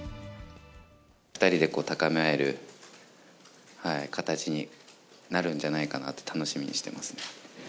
２人で高め合える形になるんじゃないかなと、楽しみにしてますね。